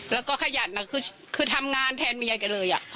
แล้วก็ขยัดนะคือคือทำงานแทนเมียกันเลยอ่ะ